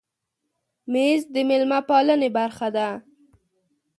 مېز د مېلمه پالنې برخه ده.